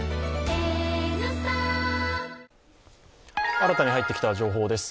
新たに入ってきた情報です。